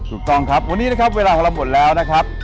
ถูกต้องครับวันนี้นะครับเวลาของเราหมดแล้วนะครับ